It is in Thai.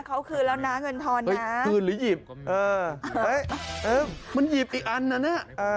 เขาคืนแล้วนะเงินทอนนะคืนหรือหยิบเออเฮ้ยมันหยิบอีกอันนะเนี่ย